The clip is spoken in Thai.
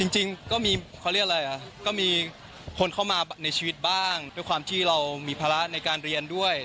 จริงก็มีคนเข้ามาในชีวิตบ้างด้วยความที่เรามีภาระในการเรียนด้วย